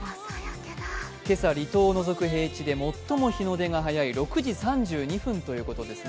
今朝離島を除く平地で最も日の出が早い６時３２分ということですね。